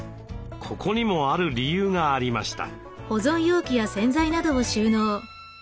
ここにもある理由がありました。